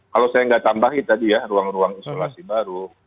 kalau saya nggak tambahin tadi ya ruang ruang isolasi baru